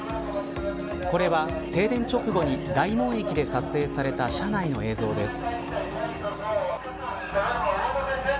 これは、停電直後に大門駅で撮影された車内の映像です。